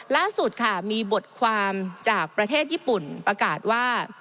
ล่าสุดค่ะมีบทความจากประเทศญี่ปุ่นประกาศว่า